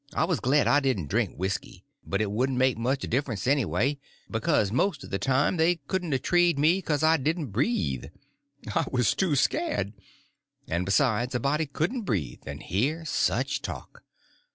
I was glad I didn't drink whisky; but it wouldn't made much difference anyway, because most of the time they couldn't a treed me because I didn't breathe. I was too scared. And, besides, a body couldn't breathe and hear such talk.